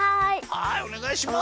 はいおねがいします。